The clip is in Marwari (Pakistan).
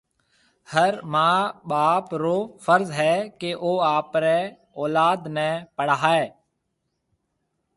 هر مان ٻاپ رو فرض هيَ ڪيَ او آپريَ اولاد نَي پڙهائي۔